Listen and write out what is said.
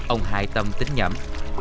ông hải tâm tính nhẩm